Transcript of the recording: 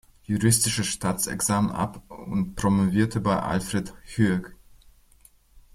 Juristische Staatsexamen ab und promovierte bei Alfred Hueck.